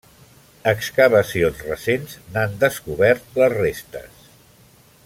Excavacions recents n'han descobert les restes.